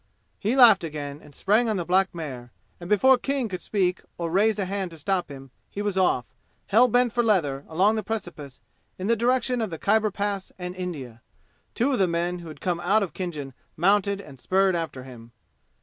He laughed again and sprang on the black mare, and before King could speak or raise a hand to stop him he was off, hell bent for leather along the precipice in the direction of the Khyber Pass and India. Two of the men who had come out of Khinjan mounted and spurred after him.